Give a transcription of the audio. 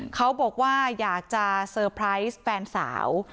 เขาบอกว่าอยากจะเซอร์ไพรส์แฟนสาว